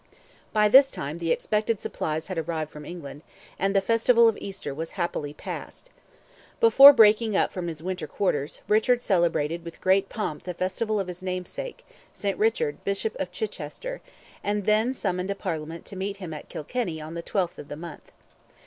By this time the expected supplies had arrived from England, and the festival of Easter was happily passed. Before breaking up from his winter quarters Richard celebrated with great pomp the festival of his namesake, St. Richard, Bishop of Chichester, and then summoned a parliament to meet him at Kilkenny on the 12th of the month.